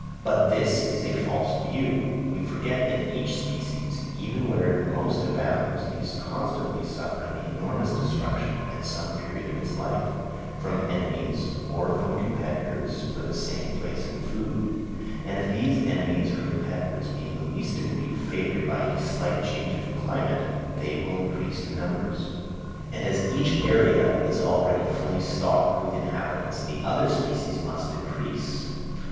But this is a false view; we forget that each species, even where it most abounds, is constantly suffering enormous destruction at some period of its life, from enemies or from competitors for the same place and food; and if these enemies or competitors be in the least degree favoured by any slight change of climate, they will increase in numbers; and as each area is already fully stocked with inhabitants, the other species must decrease.